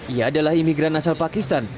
ia adalah imigran asal pakistan